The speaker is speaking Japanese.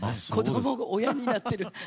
子どもが親になってる。